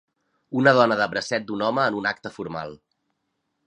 Una dona de bracet d'un home en un acte formal.